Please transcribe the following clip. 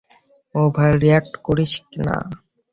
Over react করিস না।